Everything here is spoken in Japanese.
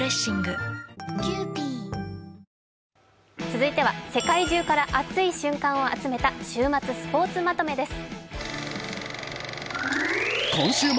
続いては世界中から熱い瞬間を集めた「週末スポーツまとめ」です。